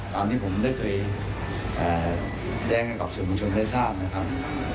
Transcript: ตามที่ผมได้เคยเอ่อแดงกับส่วนผู้ชนได้ทราบนะครับ